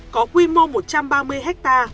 có quy mô một trăm ba mươi ha